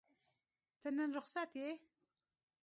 ته نن رخصت یې؟